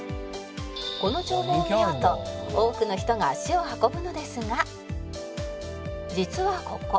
「この眺望を見ようと多くの人が足を運ぶのですが実はここ」